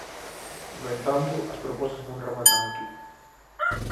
No entanto, as propostas non rematan aquí.